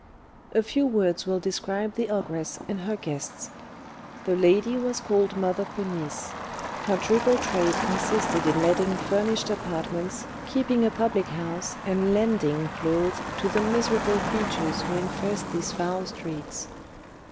A few words will describe the ogress and her guests. The lady was called Mother Ponisse; her triple trade consisted in letting furnished apartments, keeping a public house, and lending clothes to the miserable creatures who infest these foul streets.